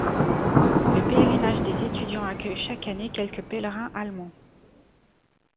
Le pèlerinage des étudiants accueille chaque année quelques pèlerins allemands.